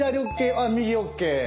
あっ右ＯＫ！